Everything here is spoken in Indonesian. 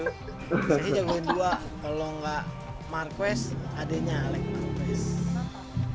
saya jagoin dua kalau enggak mark marquez adeknya alec marquez